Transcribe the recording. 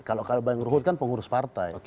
kalau kalau bayang ruhut kan pengurus partai